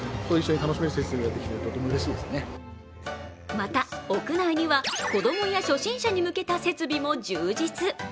また、屋内には子供や初心者に向けた設備も充実。